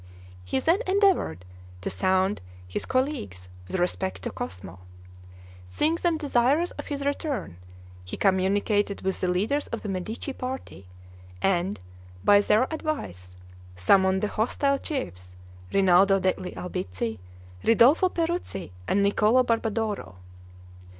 He then endeavored to sound his colleagues with respect to Cosmo: seeing them desirous of his return, he communicated with the leaders of the Medici party, and, by their advice, summoned the hostile chiefs, Rinaldo degli Albizzi, Ridolfo Peruzzi, and Niccolo Barbadoro.